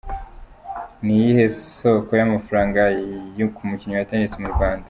Ni iyihe soko y’Amafaranga ku mukinnyi wa Tennis mu Rwanda?.